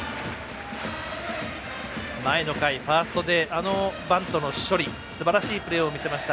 前の回、ファーストであのバントの処理すばらしいプレーを見せました